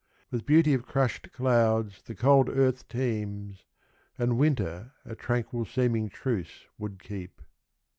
With beauty of crushed clouds the cold earth teems, And winter a tranquil seeming truce would keep.